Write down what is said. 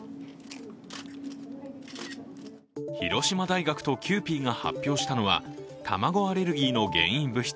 広島大学とキユーピーが発表したのは卵アレルギーの原因物質